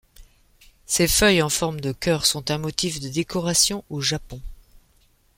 Ses feuilles en forme de cœur sont un motif de décoration au Japon.